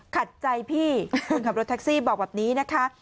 ขัดใจพี่คนขับรถแท็กซี่บอกแบบนี้นะคะ